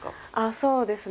そうですね